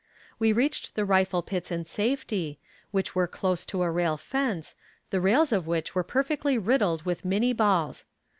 We reached the rifle pits in safety, which were close to a rail fence, the rails of which were perfectly riddled with Minnie balls.